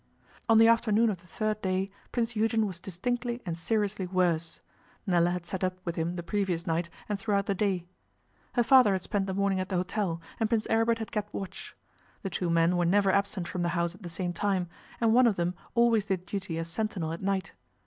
On the afternoon of the third day Prince Eugen was distinctly and seriously worse. Nella had sat up with him the previous night and throughout the day. Her father had spent the morning at the hotel, and Prince Aribert had kept watch. The two men were never absent from the house at the same time, and one of them always did duty as sentinel at night.